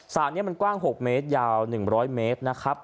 สารนี้มันกว้าง๖เมตรยาว๑๐๐เมตรนะครับ